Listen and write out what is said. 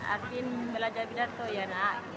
artin belajar pidato ya nak